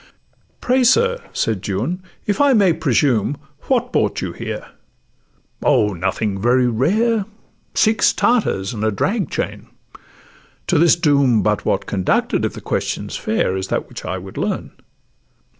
'Pray, sir,' said Juan, 'if I may presume, What brought you here?'—'Oh! nothing very rare— Six Tartars and a drag chain.'—'To this doom But what conducted, if the question's fair, Is that which I would learn.